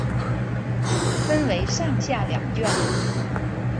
分为上下两卷。